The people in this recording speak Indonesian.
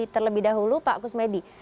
terlebih dahulu pak kusmedi